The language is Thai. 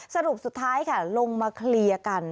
สรุปสุดท้ายค่ะลงมาเคลียร์กัน